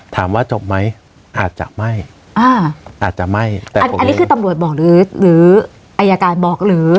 ถามว่าจบไหมอาจจะไม่อันนี้คือตำรวจบอกหรืออายการบอกหรือ